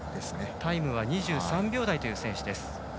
タイムは２３秒台という選手。